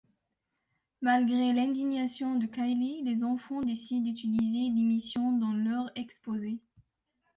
Malgré l'indignation de Kyle, les enfants décident d'utiliser l'émission dans leur exposé.